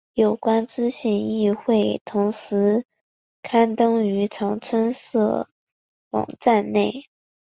有关资讯亦会同时刊登于长春社网站内。